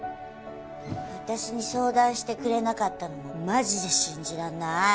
私に相談してくれなかったのもマジで信じらんない。